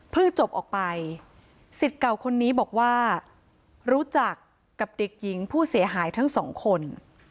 จบออกไปสิทธิ์เก่าคนนี้บอกว่ารู้จักกับเด็กหญิงผู้เสียหายทั้งสองคน